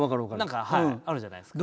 何かあるじゃないですか。